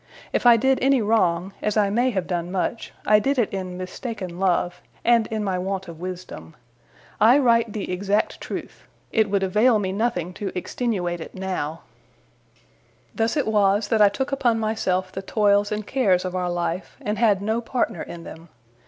If I did any wrong, as I may have done much, I did it in mistaken love, and in my want of wisdom. I write the exact truth. It would avail me nothing to extenuate it now. Thus it was that I took upon myself the toils and cares of our life, and had no partner in them.